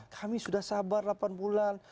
kami sudah sabar delapan bulan